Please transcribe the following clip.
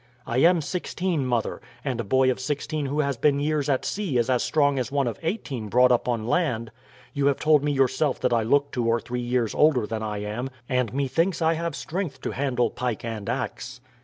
"I am sixteen, mother; and a boy of sixteen who has been years at sea is as strong as one of eighteen brought up on land. You have told me yourself that I look two or three years older than I am, and methinks I have strength to handle pike and axe."